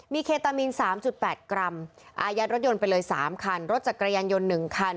มีเคตามินสามจุดแปดกรัมอายัดรถยนต์ไปเลยสามคันรถจักรยายันยนต์หนึ่งคัน